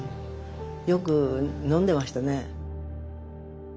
よく飲んでましたね。